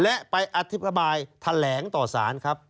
และไปอธิบายแถลงต่อสารครับ